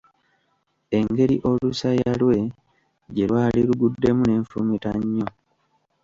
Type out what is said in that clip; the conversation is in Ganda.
Engeri olusaya lwe gye lwali luguddemu n'enfumita nnyo.